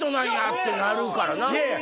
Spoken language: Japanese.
ってなるからな。